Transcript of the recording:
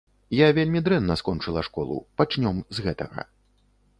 Я вельмі дрэнна скончыла школу, пачнём з гэтага.